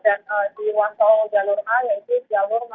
adalah kecelakaan sejauh di jalan jalan bukit lumpur